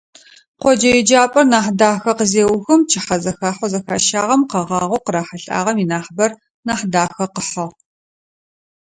Къоджэ еджапӏэр Нахьдахэ къызеухым, пчыхьэзэхахьэу зэхащагъэм къэгъагъэу къырахьылӏагъэм инахьыбэр Нахьдахэ къыхьыгъ.